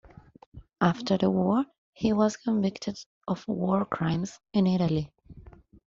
After the war, he was convicted of war crimes in Italy.